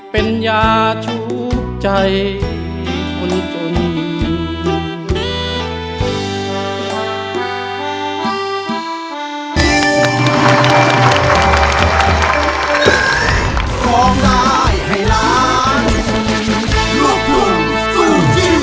เป็นยาชุดใจคนจนอยู่